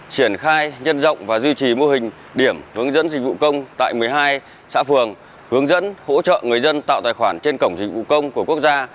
triển khai nhân rộng và duy trì mô hình điểm hướng dẫn dịch vụ công tại một mươi hai xã phường hướng dẫn hỗ trợ người dân tạo tài khoản trên cổng dịch vụ công của quốc gia